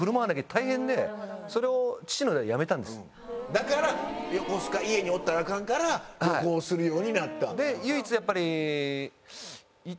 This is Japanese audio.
だから家におったらアカンから旅行するようになった。